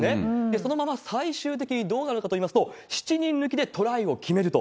そのまま最終的にどうなるかといいますと、７人抜きでトライを決めると。